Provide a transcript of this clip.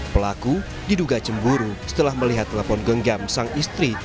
pelaku diduga cemburu setelah melihat telepon genggam sang istri